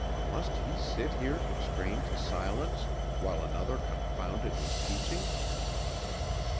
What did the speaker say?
Must he sit here constrained to silence, while another confounded his teachings?